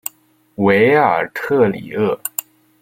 韦尔特里厄。